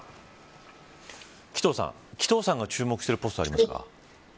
紀藤さんが注目しているポストはありますか。